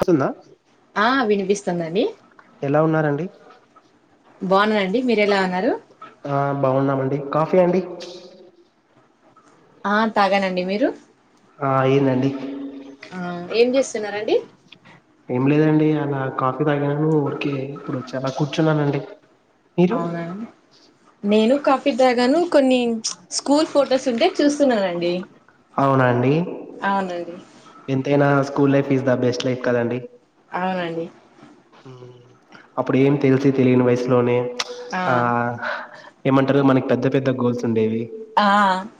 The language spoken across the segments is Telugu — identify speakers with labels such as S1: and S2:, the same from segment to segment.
S1: స్తుందా
S2: ఆ వినిపిస్తుందండి
S1: ఎలా ఉన్నరండి
S2: బాగున్ననండి
S1: ఆ బాగున్నమండి కాఫీ అండి
S2: ఆ తాగానండి మీరు
S1: ఆ ఆయిందండి
S2: ఆ, ఏం చేస్తున్నారండి
S1: ఏం లేదండి ఇలా కాఫీ తాగను ఊర్కే ఇప్పుడు వచ్చి అలా కూర్చున్నానండి మీరు
S2: అవ్నా నేను కాఫీ దాగాను కొన్ని స్కూల్ ఫొటోస్ ఉంటే చూస్తున్నానండి
S1: అవున
S2: అవునండి
S1: ఎంతైనా school life is the best life కదండి
S2: అవునండి
S1: అప్పుడు ఏం తెల్సి తెలియని వయసులోనే ఆ ఏమంటారు మనకి పెద్ద పెద్ద గోల్స్ ఉండేవి
S2: ఆ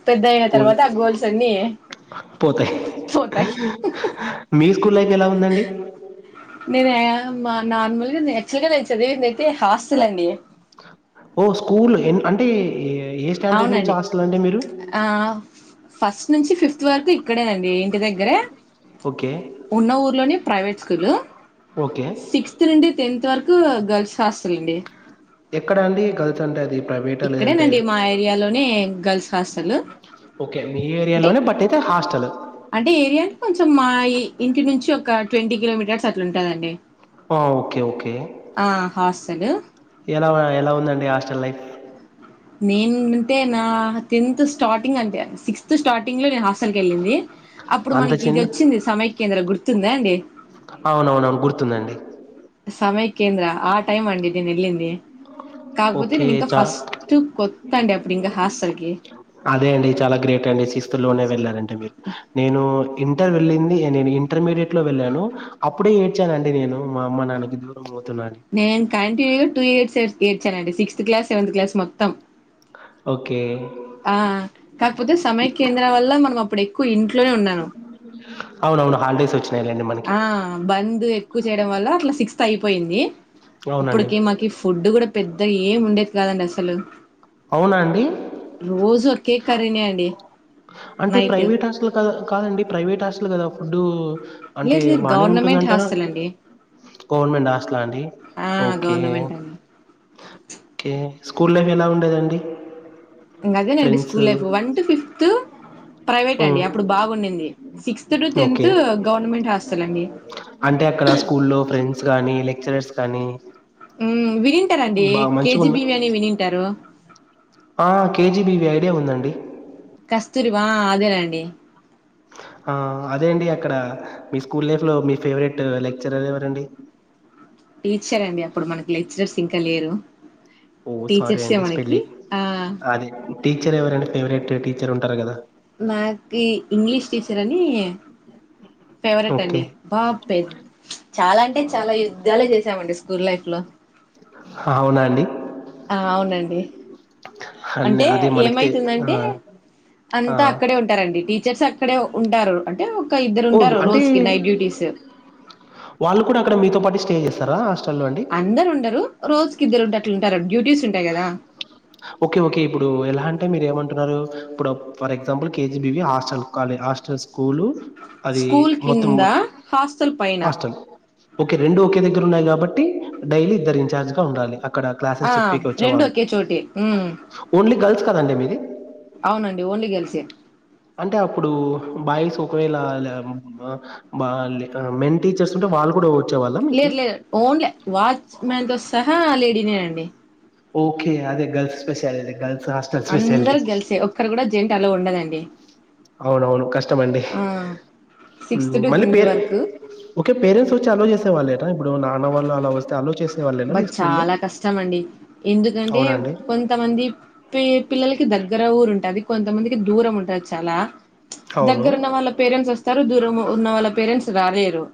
S2: పెద్దైన తర్వాత ఆ గోల్స్ అన్ని
S1: పోతే
S2: పోతాయి
S1: మీ స్కూల్ లైఫ్ ఎలా ఉందండి
S2: నేను య మా నార్మల్గా యాక్చువల్గా నేన్ చదివిందైతే హాస్టలండి
S1: ఓ స్కూల్ ఎ అంటే ఏ స్టాండర్డ్ నుంచి
S2: అవునండి
S1: హాస్టలండి మీరు
S2: ఫస్ట్నుంచి ఫిఫ్త్ వరకు ఇక్కడేనండి ఇంటి దగ్గరే
S1: ఓకే
S2: ఉన్న ఊర్లోని ప్రైవేట్ స్కూలు
S1: ఓకే
S2: సిక్స్త్ నుండి టెన్త్ వరకు గర్ల్స్ హాస్టలండి
S1: ఎక్కడ అండి గర్ల్స్ అంటే అది ప్రైవేటా లేదంటే
S2: ఇక్కడేనండి మా ఏర్యాలోనే గర్ల్స్ హాస్టల్
S1: ఓకే మీ
S2: అంటే
S1: ఏర్యాలోనే బటైతే హాస్
S2: అంటే ఏర్యాంటే కొంచెం మా ఇంటి నుంచి ఒక ట్వంటీ కిలోమీటర్స్ అట్లా ఉంటదండి
S1: ఆ ఓకే ఓకే
S2: ఆ హాస్టల్
S1: ఎలా ఎలా ఉందండి హాస్టల్ లైఫ్
S2: నేనుంటే నా టెన్త్ స్టార్టింగ్ అంటే సిక్స్త్ స్టార్టింగ్లో నేను హాస్టల్ కేళ్ళింది అప్పుడు
S1: అంత
S2: మనకిదోచ్చింది సమైయ్కేంద్ర గుర్తుందా అండి
S1: అవునవును గుర్తుందం
S2: సమైయ్కేంద్ర ఆ టైమ్ అండి నేనేలింది కాకపోతే
S1: ఓకే
S2: నేను ఇంకా
S1: చా
S2: ఫస్ట్ట్ కొత్తాండి అప్పుడి ఇంక హాస్టల్కి
S1: అదే అండి చాలా గ్రేట్ అండి సిక్స్త్లోనే వెళ్ళారంటె మీరు నేను ఇంటర్ వెళ్ళింది నేను ఇంటర్మీడియట్ లో వెళ్ళాను అప్పుడే ఏడ్చాను అండి నేను మా అమ్మ నాన్నకి దూరం అవుతున్నా అని
S2: నేను కంటిన్యూగా టూ ఇర్స్ ఏడ్చానండి సిక్స్త్ క్లాస్ సెవెంత్ క్లాస్ మొత్తం
S1: ఓకే
S2: ఆ కాకపోతే సమయ కేంద్రాల వల్ల మనం అప్పుడు ఎక్కువ ఇంట్లోనే ఉన్నాను
S1: అవునవును హాల్డేస్ వచ్చి
S2: ఆ బంద్ ఎక్కువ చేయడం వల్ల అట్లా సిక్స్త్ అయిపోయింది
S1: అవునండి
S2: అప్పుడికి మాకి ఫుడ్ కూడా పెద్ద ఏం ఉండేది కాదండి అసలు
S1: అవునా అండి
S2: రోజు ఒక్కే కరీనే అండి
S1: అంటే
S2: నైట్.
S1: ప్రైవేట్ హాస్టల్ క కాదండి ప్రైవేట్ హాస్ల్ కదా ఫుడు అంటే
S2: లేదు లేదు
S1: బానే
S2: గవర్నమెంట్
S1: ఉంటుందంటారా
S2: హాస్టల్ అండి.
S1: గవర్నమెంట్ హాస్టలా అండి
S2: ఆ!
S1: ఓకే
S2: గవర్నమెంట్ అండి.
S1: ఓకే స్కూల్ లైఫ్ ఎలా ఉండేదండి
S2: ఇంకా అదేనండి
S1: friends
S2: school life one to fifth private
S1: మ్మ్
S2: అండి అప్పుడు బాగుండింది sixth to
S1: okay
S2: tenth government hostel అండి
S1: అంటే అక్కడ స్కూల్లో ఫ్రెండ్స్ గానీ లెక్చరర్స్ కానీ
S2: వినుంటారండి
S1: బాగా మంచిగున్న
S2: కేజీబివి అని వినింటారు
S1: ఆ కేజీబీవి ఐడియా ఉందండి
S2: కస్తురిబా అదేనండి
S1: ఆ అదే అండి అక్కడ మీ స్కూల్ లైఫ్ లో మీ ఫేవరెట్ లెక్చరర్ ఎవరండి
S2: టీచర్ అండి అప్పుడు మనకి లెక్చరర్స్ ఇంకా లేరు
S1: ఓ సారీ
S2: టీచర్సే
S1: అండి
S2: మనకి
S1: స్పలి
S2: ఆ
S1: అదే టీచర్ ఎవరండి ఫేవరెట్ టీచర్ ఉంటారు కదా
S2: మాక్బి ఇంగ్లీష్ టీచర్ అని ఫేవరెట్ అండి
S1: ఓకే
S2: బా పెద్ద చాలా అంటే చాలా యుద్ధాలే చేసామండి స్కూల్ లైఫ్ లో
S1: అవునా అండి
S2: ఆ అవునండి
S1: అన్ని
S2: అంటే
S1: అది మనకి తె ఆ
S2: ఏమయితుందంటే
S1: ఆ
S2: అంతా అక్కడే ఉంటారండి టీచర్స్ అక్కడే ఉంటారు అంటే ఇంకా ఇద్దరు
S1: ఓ
S2: ఉంటారు
S1: అంటే
S2: రోజుకి నైట్ డ్యూటీస్
S1: వాళ్ళు కూడా అక్కడ మీతో పాటు స్టే చేస్తారా హాస్టల్లో అండి
S2: అందరు ఉండరు రోజుకి ఇద్దరు ఉంటే అట్లుంటారు డ్యూటీస్ ఉంటాయి కదా
S1: ఓకే ఓకే ఇప్పుడు ఎలా అంటే మీరు ఏమంటున్నరు ఇప్పుడు for example KGBV hostel call స్టర్ school అది
S2: స్కూల్
S1: మొత్తం
S2: కింద
S1: మురు
S2: హాస్టల్ పైన
S1: హస్టల్ ఒకే రెండు ఒకే దగ్గర ఉన్నాయి కా బట్టి డైలీ ఇద్దరు ఇన్ఛార్జ్ గా ఉండాలి అక్కడ
S2: ఆ
S1: క్లాసెస్ చెప్పికి
S2: రెండ
S1: వచ్చేవాళ్ళు
S2: ఒకే చోటే
S1: ఓన్లీ గర్ల్స్ కదండి మీది
S2: అవునండి ఓన్లీ గర్ల్సే
S1: అంటే అప్పుడు బాయ్స్ ఒకవేళ బ మెన్ టీచర్స్ ఉంటే వాలు కూడా వచ్చేవాళ్ళ మీకి
S2: లేదు లేదు ఓన్లీ వాచ్ మ్యాన్ తో సహా ఆ లేడీనేనండి
S1: ఓకే అదే గల్స్ స్పెషాల గల్ హాస్టల్ స్పెషాలిటీ
S2: అందరు గర్ల్సే ఒక్కరు కూడా జెంట్ అలో ఉండదండి
S1: అవును అవును కష్టం డి
S2: ఆ సిక్స్త్ టు
S1: మళ్ళీ
S2: టెన్త్
S1: పేరె
S2: వరకు
S1: ఓకే పేరెంట్స్ వచ్చి అలో చేసే వాళ్ల ఇప్పుడు నాన్న వాళ్ళు అలా వస్తే అలోచేసే
S2: బట్ చాలా కష్టం అండి ఎందుకంటే
S1: అవునా అండి
S2: కొంతమంది పి పిల్లలకి ద గ్గర ఊరు ఉంటది అది కొంతమందికి దూరం ఉంటది చాలా
S1: అవును
S2: దగ్గరున్న వాళ్ళ పేరెంట్స్ ఓస్తారు దూరం ఉన్న వాళ్ళ పేరెంట్స్ రాలేరు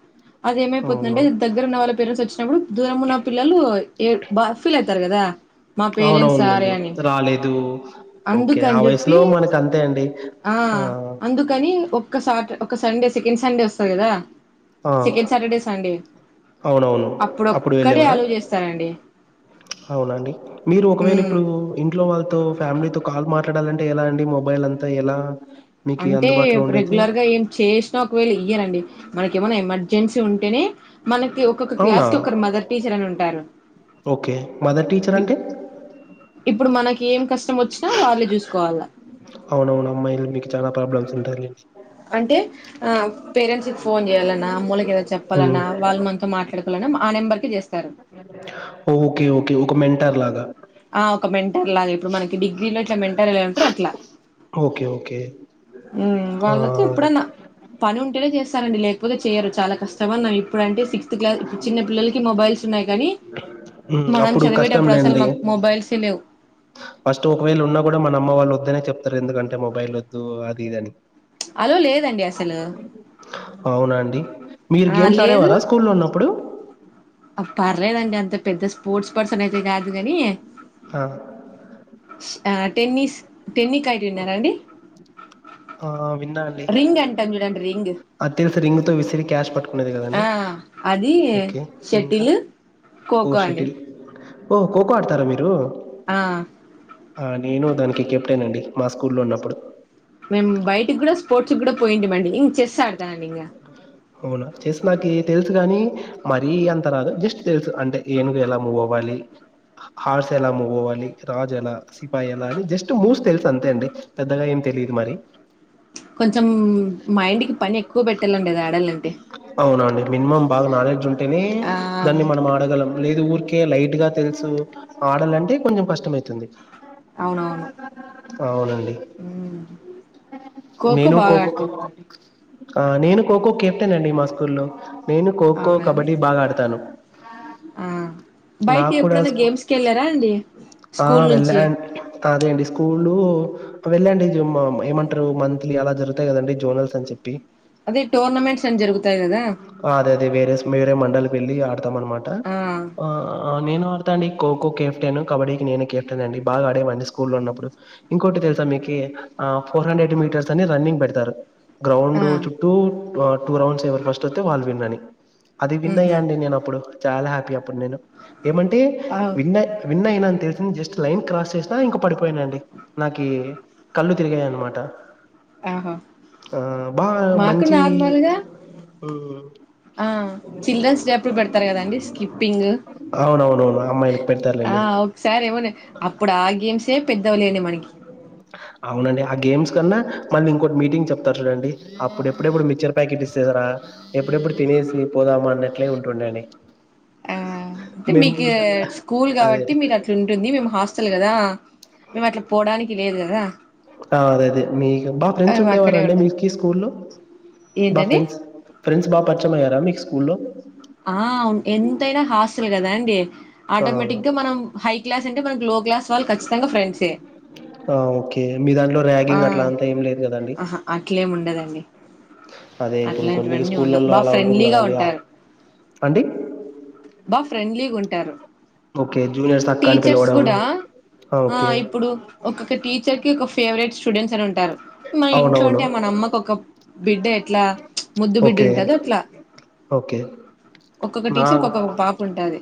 S1: అవును
S2: అదెమైపోతుందంటే దగ్గర ఉన్న వాళ్ళ పేర్సెంట్స్ ఓచ్చినప్పుడు దూరం ఉన్న పిల్లలు ఏ బా ఫీలైతారు కదా మా పేరెంట్స్ రారే
S1: అవునవునులెండి
S2: అని
S1: రాలేదు ఓకే ఆ
S2: అందుకని చెప్పి
S1: వయసులో మనకు అంతే అండి
S2: ఆ అందుకని ఒక్క సాట్ ఒక సండే సిక్ సెకెన్ సండే ఓస్తది కదా
S1: ఆ
S2: సెకెన్ సాటర్డే సండే
S1: అవునవును
S2: అప్పుడు క్కడ్నే ఆలోచిస్తారండి
S1: అవునండి మీరు ఒకవేళిప్పుడు ఇంట్లో వాళ్ళతో ఫ్యామిలీతో కాల్ మాట్లాడాలం ఎలా అండి మొబైలంతా ఎలా మీకు
S2: అంటే
S1: అందుబాటులో ఉండేది
S2: రెగ్యులర్గా ఏం చేసినా ఒకవేళ ఇయ్యనండి మనకేమన్నా ఎమర్జెన్సీ ఉంటేనే మనకి ఒక్కొక్క
S1: అవునా
S2: క్లాస్కి ఒకరు మదర్ టీచర్ అని ఉంటారు
S1: ఓకే మదర్ టీచర్ అంటే
S2: ఇప్పుడు మనకేం కష్టం ఓచ్చినా వాళ్లే చూస్కోవాలి అల్ల
S1: అవునవును అమ్మాయిలు మీకు చాలా ప్రాబ్లమ్స్ ఉంటాయిలెండి
S2: అంటే ఆ పేరెంట్స్ కి ఫోన్ జేయలన్నా అమోలకి
S1: ఉమ్
S2: చెప్పాలన్నా వాళ్ళు మనతో మాట్లాడుకోవాలన్నా ఆ నెంబర్కే జేస్తారు
S1: ఓ ఓకే ఓకే ఒక మెంటర్లాగా
S2: మెంటర్లా ఇప్పుడు మనకి డిగ్రీలో ఇట్లా మెంటర్ ఎలా ఉంటారు అట్లా
S1: ఓకే ఓకే
S2: మ్
S1: ఆ
S2: వాళ్ళతో ఎప్పుడన్నా పని ఉంటేనే నండి లేకపోతే చేయ్యరు చాలా కష్టం అన్నా ఇప్పుడంటే సిక్స్త్ క్లాస్ ఇప్పుడు చిన్న పిల్లలకి మొబైల్స్ ఉన్నాయి కానీ
S1: మ్
S2: మనం
S1: అప్పుడు కష్టం
S2: చదివేటప్పుడు అసలు
S1: లేండి
S2: మాకు మొబైల్సే లేవు
S1: ఫస్టు ఒకవేళ ఉన్నా కూడా మన అమ్మ వాళ్ళు వద్దనే చెప్ రెందుకంటే మొబైల్ ఓద్దు అది ఇది అని
S2: అలో లేదంది అసలు
S1: అవునా అండి మీరు
S2: ఆ
S1: గేమ్స్
S2: లేదు
S1: ఆడేవారా స్కూల్లో ఉన్నప్పుడు
S2: పర్లేదండి అంత పెద్ద స్పోర్ట్స్ పర్సనైతే కాదు గని
S1: అ
S2: టెన్నీస్ టెన్నికాయిట్ విన్నారాండి
S1: ఆ విన్నా అండి
S2: రింగ్ అంటం జూడండి రింగ్
S1: అది తెల్సి రింగుతో విసిరి క్యిచ్ పట్టుకునేది కదండి
S2: ఆ అది
S1: ఓకే ఇంకా
S2: షటిల్
S1: ఓ
S2: ఖోఖో అండి
S1: షెటిల్ ఓ ఖోఖో ఆడతారా మీరు
S2: ఆ
S1: ఆ నేను దానికి కెప్టెన్ అండి మా స్కూల్లో ఉన్నప్పుడు
S2: మేము బయటికి కూడా స్పోర్ట్స్ కూడా పోయింటమండి ఇం చెస్ ఆడ్తానిగ
S1: అవునా చేస్ నాకీ తెల్సు గాని మరీ అంత రాదు జస్ట్ తెల్సు అంటే ఏనుగేలా మూవ్ అవ్వాలి ఇది హార్స్ ఎలా మూవ్ అవ్వాలి రాజు ఎలా సిపాయేలా అని జస్ట్ మూవ్స్ తెల్సు అంతే అండి పెద్దగ ఎం తెలిదు మరి
S2: కొంచెం మైండికి పనేక్కువ పెట్టాలండి ఇది ఆడ
S1: అవునా అండి మినిమమ్ బాగా నాలెడ్జ్ ఉంటేనే
S2: ఆ
S1: దాన్ని మనం ఆడగలం లేదు ఊర్ కె లైట్గ తెల్సు ఆడాలంటే కొంచెం కష్టమైతుంది
S2: అవునవును
S1: అవునండి
S2: ఉమ్. ఖోఖో
S1: నేను ఖొ
S2: బాగా ఆడుతుంటిమండి
S1: ఆ నేను ఖోఖో కెప్టెనండి మా స్కూల్లో నేను ఖోఖో కబడ్డీ బాగా ఆడతాను
S2: మ్ బైటికి
S1: నాకు కూడా
S2: ఎప్పుడైనా
S1: స్కూ
S2: గేమ్స్కెళ్ళారాండి
S1: ఆ వెళ్ళా అదే అండి స్కూళూ వెళ్ళండి ఏమంటారు మంత్లీ అలా జరుగుతాయి కదండి జోనల్స్ అని చెప్పి
S2: అదే టోర్నమెంట్స్ అని జరుగుతాయి కదా
S1: ఆ అదేదే వేరేస్ వేరే మండల్ వెళ్ళి ఆడతాం అనమాట
S2: ఆ
S1: ఆ నేను ఆడు అండి ఖోఖో కేఫటెను కబడీకి నేనే కేఫటెన్ అండి బాగా ఆడేవాండి స్కూల్ లో ఉన్నప్పుడు ఇంకోటి తెలుసా మీకి ఆ ఫోర్ హండ్రెడ్ మీటర్స్ అని రన్నింగ్ పెడతారు
S2: ఆ
S1: గ్రౌండ్ చుట్టూ టూ రౌండ్స్ ఎవరు ఫస్ట్ వొత్తె వాళ్ల్ విన్ అని అది విన్ అయ్యా
S2: ఉహు
S1: అండి నేను అప్పుడు చాలా హ్యాపీ అప్పుడు నేను ఏమంటే
S2: అవు
S1: విన్ విన్ అయిన తెలిసింది జస్ట్ లైన్ క్రాస్ చేసినా ఇంక పడిపోయానండి నాకి కళ్ళు తిరిగాయి అనమాట
S2: ఆహా
S1: ఆ బా మంచి
S2: మళగా
S1: ఆ
S2: ఆ చిల్డ్రన్స్ డే అప్పుడు పెడతారు కదాండి స్కిప్పింగ్
S1: అవునవునవును అమ్మాయిలకి
S2: ఆ
S1: పెడతారులేండి
S2: ఒకసారి ఎమో నే అప్పుడు ఆ గేమ్సే పెద్దవిలేండి మనకి
S1: అవునండి ఆ గేమ్స్ కన్నా మళ్ళీ ఇంకోటి మీటింగ్ చెప్తారు చూడండి అప్పుడే ఎప్పుడెప్పుడు మిక్చర్ ప్యాకెట్ ఇస్తదిర ఎప్పుడెప్పుడు తినేసి పోదామా అన్నట్లే ఉంటుండేడండి
S2: ఆ అంటే మీకు స్కూల్
S1: అదే
S2: కాబట్టి మీరు అట్లుంటుంది మేము హాస్టల్ గదా మేము అట్లా పోడానికి లేదు గదా
S1: ఆ అదే అదే మీ బా ఫ్రెండ్స్
S2: అక్కడే
S1: ఉండేవారండి
S2: ఉండాలి
S1: మీకి స్కూల్లో బా
S2: ఏంటండి
S1: ఫ్రెండ్స్ ఫ్రెండ్స్ బాగా పరిచమయ్యారా మీకు స్కూల్లో
S2: ఆ ఎంతైనా హాస్టల్ గదా అండి
S1: ఆ
S2: ఆటోమేటిక్ గా మనం హై క్లాస్ అంటే మనకు లో క్లాస్ వాళ్ళు ఖచ్చితంగా ఫ్రెండ్సే
S1: ఆ ఓకే మీ దాంట్లో
S2: ఆ
S1: ర్యాగింగ్ అట్లా అంతా ఏం లేదు కదండి
S2: ఆహ అట్లేం ఉండదండి
S1: అదే ఇప్పుడు కొన్ని
S2: అట్లాంటివన్నీ ఉండవు
S1: స్కూళ్లలో
S2: బా
S1: అలా ఉంటుంది
S2: ఫ్రెండ్లీగా
S1: కదండి ఆ-
S2: ఉంటారు
S1: అండి
S2: బా ఫ్రెండ్లీగా ఉం
S1: ఓకే జూనియర్స్ అక్కా అని పిలవడం
S2: గూడా ఆ ఇప్పుడు ఒక్కొక్క టీచర్ కి ఒక ఫేవ ఫేవరెట్ స్టూడెంట్స్ అని ఉంటారు మన ఇంట్లో ఉంటే
S1: అవునవును
S2: మన అమ్మకు ఒక బిడ్డ ఎట్లా ముద్దు బిడ్డ
S1: ఓకే
S2: ఉంటది అట్ల
S1: ఓకే
S2: ఒక్కొక్క టీచర్ కు ఒక్కొక్క పాప ఉంటాది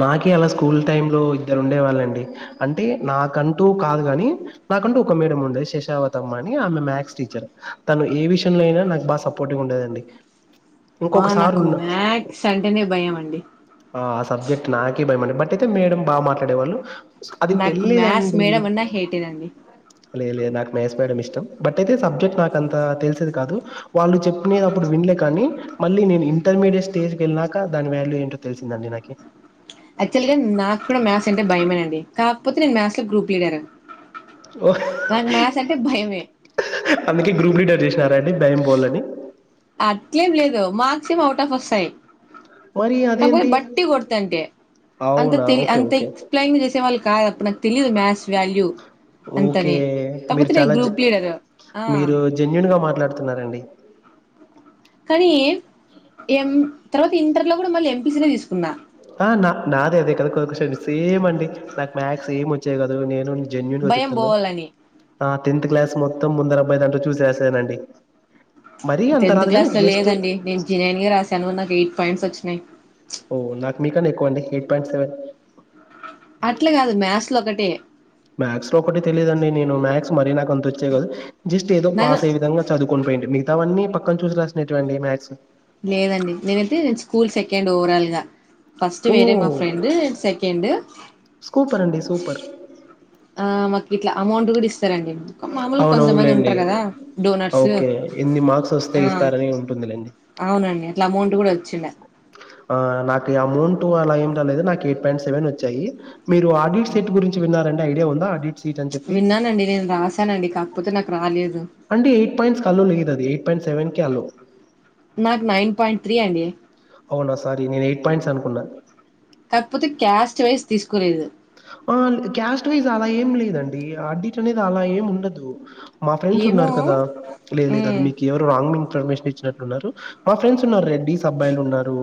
S1: మాకి అలా స్కూల్ టైం లో ఇద్దరు ఉండే వాళ్ళండి అంటే నాకంటూ కాదు గాని నాకంటు ఒక మేడం ఉండే శషావతమ్మ అని ఆమె మ్యాథ్స్ టీచర్ తను ఏ విషయంలో అయినా నాకు బా సపోర్టివ్ ఉం ఉండదండి
S2: బా నాకు మ్యాక్స్ అంటేనే భయం అండి
S1: ఆ ఆ సబ్జెక్ట్ నాకి భయంమండి బట్ అయితే మేడం బాగా మాట్లాడేవాళ్ళు అది
S2: నాకు మ్యాథ్స్
S1: తెలియదండి
S2: మేడం అన్నా హేటేనండి
S1: లే లేదు నాకు మ్యాథ్స్ మేడం ఇష్టం బట్ అయితే సబ్జెక్ట్ నాకు అంత తెలిసేది కాదు వాళ్ళు చెప్పినయ్ వినలే కాని మళ్ళీ నేను ఇంటర్ మీడె స్టేజ్కి వెళ్ళానాక దాని వ్యాల్యూ ఏంటో తెలిసిందండి నాకి
S2: యాక్చువల్ గా నాకూడా మ్యాథ్స్ అంటే భయమే అండి కాకపోతే నేను మ్యాథ్స్ లో గ్రూప్ లీడర్
S1: ఓ
S2: నాకు మ్యాథ్స్ అంటే భయమే
S1: అందుకే గ్రూప్ లీడర్ చేసినారా టె భయం పోవళ్లని
S2: అట్లేం లేదు మర్క్స్ ఎమో అవుట్ ఆఫ్ వస్తాయి
S1: మరి
S2: కాకపోతే
S1: అదేంటి
S2: బట్టి కొడతంటి అంత
S1: అవునా
S2: తేలి
S1: ఓకే
S2: అంత
S1: ఓకే
S2: ఎక్స్ప్లెయిన్ చేసే వాళ్ళు కాదు అప్పుడు నాకు తెలియదు మ్యాథ్స్ వాల్యూ
S1: ఓకే
S2: అంతని
S1: మీరు
S2: కాకపోతే నేను
S1: చాలా జే
S2: గ్రూప్ లీడర్ ఆ
S1: మీరు జెన్యూన్ గా మాట్లాడుతున్నారండి
S2: కానీ ఎం ఎం తర్వాత ఇంటర్ లో కూడా మళ్ళీ ఎంపీ సి నే తీసుకున్నా
S1: ఆ నా నాదే అదే కదా కొషన్ సేమ్ అండి నాకు మ్యాథ్స్ ఏం వచ్చేది గాదు నేను జన్యున్గా
S2: భయం
S1: చెప్తున్నా
S2: పోవాలని
S1: ఆ టెన్త్ క్లాస్ మొత్తం ముందర అబ్బై దాంట్లో చూసి రాసానండి మరీ అంత
S2: టెన్త్
S1: రాదు కానీ
S2: క్లాస్ లో
S1: జస్ట్
S2: లేదండి నేను జెనైన్ గా రాశాను నాకు ఎయిట్ పాయింట్స్ వచ్చినయ్
S1: ఓ నాకు మీకన్నా ఎక్కువ అండి ఎయిట్ పాయింట్ సెవెన్
S2: అట్లా కాదు మ్యాథ్స్ లో ఒకటే
S1: మ్యాథ్స్ లో ఒకటె తెలీదండి నేను మ్యాథ్స్ మరీ నాకు అంత ఓచ్చే కదు జస్ట్ ఏదో
S2: నేను
S1: పాస్ అయ్య విధంగా చదువుకొని పాయింటి మిగతావన్నీ పక్కన చూసి రాసినటువంటివి మ్యాథ్స్
S2: కేండ్ ఓవరాల్ గా ఫస్ట్
S1: ఓ
S2: వేరే మా ఫ్రెండ్ నేన్ సెకండ్
S1: సూపర్ అండి సూపర్
S2: ఆ మాకు ఇట్లా అమౌంట్ కూడా ఇస్తారండి మామూలుగా కొంతమంది
S1: అవునవునులేండి
S2: ఉంటారు కదా డోనార్స్
S1: ఓకే ఎన్ని మార్క్స్ ఓస్తే ఇస్తారని ఉంటుంది లేండి
S2: అవునండి అట్లా అమౌంట్ కూడా ఓచ్చిండ
S1: ఆ నాకు అమౌంట్ అలా ఏమిటనేది నాకు ఎయిట్ పాయింట్ సెవెన్ ఓచ్చాయి మీరు ఆడిట్ సెట్ గురించి విన్నారండి ఐడియా ఉందా ఆడిట్ సీట్ అని చెప్పి
S2: విన్నానండి నేను రాసానండి కాకపోతే నాకు రాలేదు
S1: అంటే ఎయిట్ పాయింట్స్ అల్లో లేదు అది ఎయిట్ పాయింట్ సెవెన్ కి అల్లో
S2: నాకు నైన్ పాయింట్ త్రీ అండి
S1: అవునా సారీ నేను ఎయిట్ పాయింట్స్ అనుకున్నా
S2: కాకపోతే క్యాస్ట్ వైజ్ తీసుకోలేదు
S1: ఆ క్యాస్ట్ వైజ్ అలా ఏం లేదండి అడిట్ అనేది అలా ఏం ఉండదు మా ఫ్రెండ్స్
S2: ఏమో
S1: ఉన్నారు కదా లేదు లేదు అది
S2: ఉమ్,
S1: మీకు ఎవరో రాంగ్ ఇం ఇన్ఫర్మేషన్ ఇచ్చినట్టునారు మా ఫ్రెండ్స్ ఉన్నారు రెడ్డిస్ అబ్బాయిలు ఉన్నారు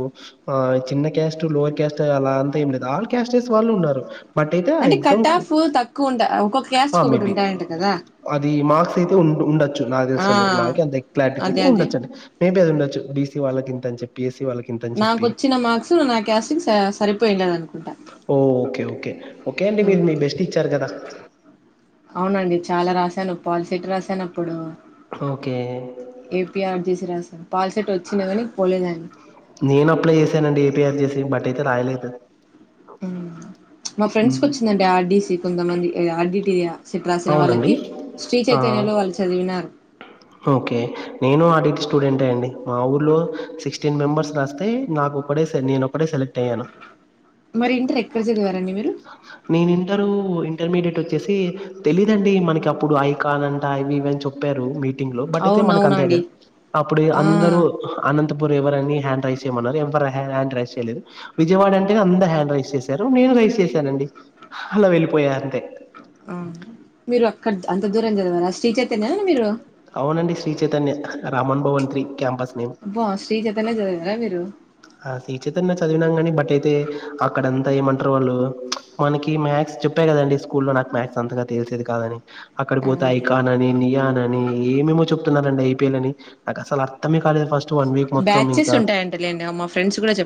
S1: ఆ చిన్న కస్ట్ లోయర్ కస్ట్ అస్తే అలా అంత ఏం లేదు ఆల్ క్యాస్టస్ వాళ్ళు ఉన్నారు బట్ అయితే ఆ
S2: అంటే
S1: ఎగ్జామ్
S2: కట్ ఆఫ్ తక్కువ ఉంటా ఒకొ
S1: ఆ!
S2: క్యాస్ట్కి ఒకొటి
S1: మేబీ
S2: ఉంటాయంట కదా
S1: అది మార్క్స్ అయితే ఉ ఉండచ్చు నాకు
S2: ఆ
S1: తెలిసినంత వరకు నాకె అంత క్లారిటీ
S2: అదే
S1: తెలీదు
S2: అదే
S1: ఉండొచ్చండి మే బీ ఆది ఉండచ్చు బీసీ వాళ్ళకింతని చెప్పి ఎస్సి ఇవాళ్ళకి ఇంతని చెప్పి
S2: నాకొచ్చిన మార్క్స్ నా క్యాస్ట్ కి స సరిపోయిండదు అనుకుంటా
S1: ఓ ఓకే ఓకే ఓకే అండి. మీరు
S2: మ్
S1: మీ బెస్ట్ ఇచ్చారు కదా!
S2: అవునండి చాలా రాశాను పాలిసెట్ రాసాను అప్పుడు
S1: ఓకే.
S2: ఏపీఆర్జీసి రాసా
S1: నేను అప్లై చేసానండి ఏపీఆర్జీసి బట్ ఏ రాయలేదు
S2: మ్ మా ఫ్రెండ్స్ కి
S1: హ్మ్.
S2: ఓచ్చిందండి ఆర్డీసి కొంతమంది ఆర్డటీరియా సెట్ రాసిన
S1: అవునండి
S2: వాళ్ళకి శ్రీ
S1: ఆ!
S2: చేతన్ యాలో వాళ్ల్ చదివినాన్
S1: ఓకే నేను ఆడిట్ స్టూడెంటె అండి మా ఊర్లో సిక్స్టీన్ మెంబర్స్ రాస్తే నాకు ఒకడే సర్ నేను ఒకడే సెలెక్ట్ అయ్యను
S2: మరి ఇంటర్ ఎక్కడ చదివారండి మీరు
S1: నేను ఇంటరు ఇంటర్మీడియట్ ఓచ్చేసి తెలీదండి మనకి అప్పుడు ఐ కానంట అవి ఇవని చెప్పారు మీ టింగ్లో బట్ అయితే మనకు అంత
S2: అవునవునండి
S1: అప్పుడు
S2: ఆ
S1: అందరు అనంతపూర్ ఎవర్ అని హ్యాండ్ రైస్ చేయమన్నారు ఎవరు హ్యాండ్ రైస్ చేయలేదు విజయవాడ అంటే అందరూ హ్యాండ్ రైస్ చేశారు నేను రైస్ చేశానండి హలా వెళ్ళిపోయ అంతే
S2: ఆ మీరు అక్కడ అంత దూరం చదివర శ్రీ చైతన్యనా మీరు
S1: అవునండి Shri Chaitanya Raman Bhavan three campus name
S2: అబ్బా శ్రీ చైతన్య చదివారా మీరు
S1: ఆ శ్రీ చైతన్య చదివినాం కానీ బట్ అయితే అక్కడంతా ఏమంటారు వాళ్ళు మనకి మ్యాథ్స్ చెప్ప కదండి స్కూలో నాకు మాథ్స్ అంతగా తెల్చేది కాదని అక్కడ పోతే
S2: ఆ!
S1: ఐకాన్ అని నియాన్ అని ఏమేమో చెప్ తునార్ అండి ఐపీఎన్ అని నాకు అసలు అర్థమే కాలేద్ ఫస్ట్ వన్ వీక్ మొత్తం
S2: బ్యాచెస్
S1: ఇంకా
S2: ఉంటాయంట లేండీ మా ఫ్రెండ్స్ కూడా చెప్